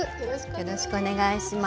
よろしくお願いします。